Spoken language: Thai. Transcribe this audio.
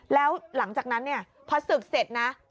แล้วหลังจากนั้นเนี่ยพอศึกเสร็จนะ